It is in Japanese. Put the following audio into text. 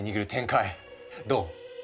どう？